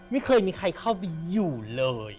ไม่เคยมีใครเข้าไปอยู่เลย